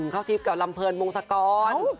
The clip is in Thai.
กับลำเพิร์นมงษากร